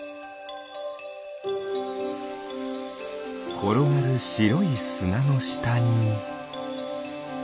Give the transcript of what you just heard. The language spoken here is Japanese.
ころがるしろいすなのしたに。